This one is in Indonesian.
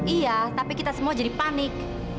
iya tapi kita semua jadi panik